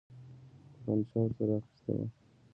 توپنچه ورسره اخیستې وه.